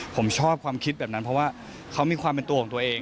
ผมชอบความคิดแบบนั้นเพราะว่าเขามีความเป็นตัวของตัวเอง